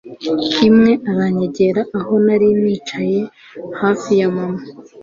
imwe aranyegera aho narindi nicaye hafi ya mama